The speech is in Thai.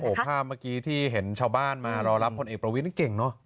โอ้โหภาพเมื่อกี้ที่เห็นชาวบ้านมารอรับพลเอกประวิทย์นั้นเก่งเนอะ